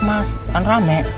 mas kan rame